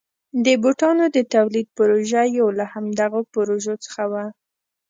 د بوټانو د تولید پروژه یو له همدغو پروژو څخه وه.